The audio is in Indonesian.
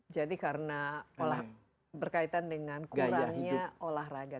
jadi karena berkaitan dengan kurangnya olahraga